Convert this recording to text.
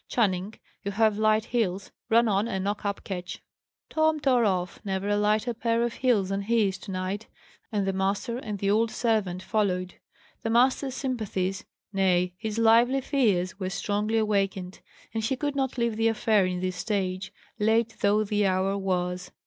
"Channing, you have light heels; run on, and knock up Ketch." Tom tore off; never a lighter pair of heels than his, to night; and the master and the old servant followed. The master's sympathies, nay, his lively fears, were strongly awakened, and he could not leave the affair in this stage, late though the hour was.